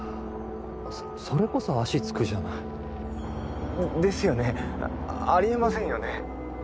そそれこそ足つくじゃないですよねあり得ませんよね